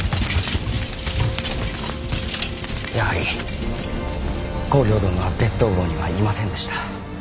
やはり公暁殿は別当房にはいませんでした。